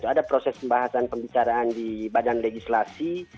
ada proses pembahasan pembicaraan di badan legislasi